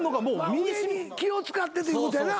上に気を使ってということやな。